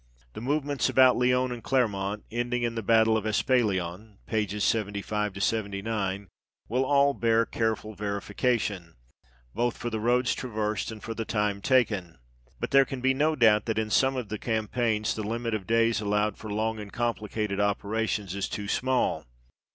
The movements about Lyons and Clermont, ending in the battle of Espalion (pp. 75 79), will all bear careful verification, both for the roads traversed, and for the time taken. But there can be no doubt that in some of the campaigns the limit of days allowed for long and complicated operations is too small.